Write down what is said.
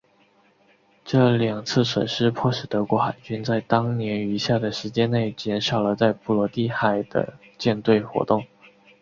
这两次损失迫使德国海军在当年余下的时间内减少了在波罗的海的舰队活动。